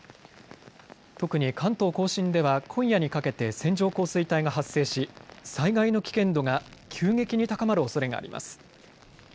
特に関東甲信では今夜にかけて線状降水帯が発生し災害の危険度が急激に高まるおそれがあります。